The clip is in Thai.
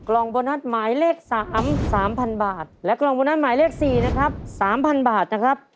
กล่องโบนัสหมายเลข๓๓๐๐บาทและกล่องโบนัสหมายเลข๔นะครับ๓๐๐บาทนะครับ